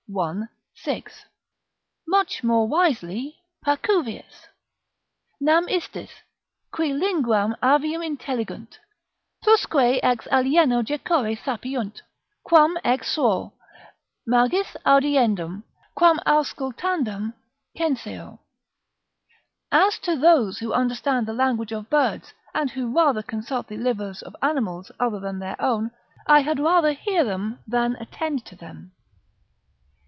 i. 6.] Much more wisely Pacuvius "Nam istis, qui linguam avium intelligunt, Plusque ex alieno jecore sapiunt, quam ex suo, Magis audiendum, quam auscultandum, censeo." ["As to those who understand the language of birds, and who rather consult the livers of animals other than their own, I had rather hear them than attend to them."